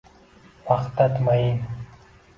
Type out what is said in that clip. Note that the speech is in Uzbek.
Vahdat mayin